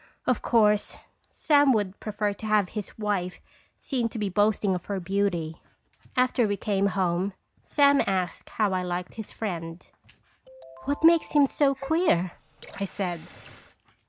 Of course, Sam would prefer to have his wife seen to boasting of her beauty. After we came home Sam asked how I liked his friend. " What makes him seem so queer?" I said.